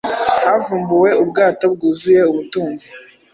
havumbuwe ubwato bwuzuye ubutunzi